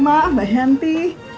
mak mbak yanti